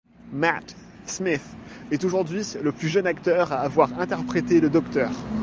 Matt Smith est aujourd’hui le plus jeune acteur à avoir interprété le Docteur.